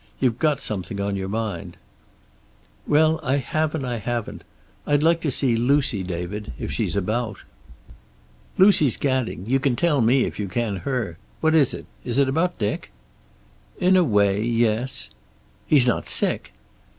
You've got something on your mind." "Well, I have and I haven't. I'd like to see Lucy, David, if she's about." "Lucy's gadding. You can tell me if you can her. What is it? Is it about Dick?" "In a way, yes." "He's not sick?"